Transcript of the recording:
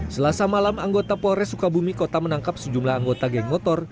selasa malam anggota polres sukabumi kota menangkap sejumlah anggota geng motor